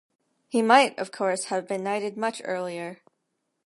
He might of course have been knighted much earlier.